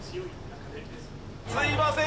すみません